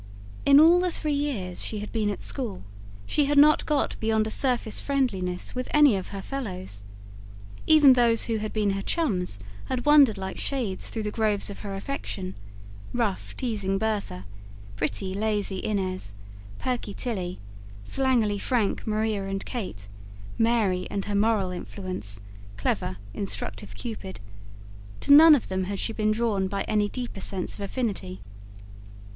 In all the three years she had been at school, she had not got beyond a surface friendliness with any of her fellows. Even those who had been her "chums" had wandered like shades through the groves of her affection: rough, teasing Bertha; pretty, lazy Inez; perky Tilly, slangily frank Maria and Kate, Mary and her moral influence, clever, instructive Cupid: to none of them had she been drawn by any deeper sense of affinity.